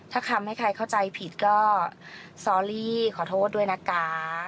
ถ้าทำให้ใครเข้าใจผิดก็ซอรี่ขอโทษด้วยนะคะ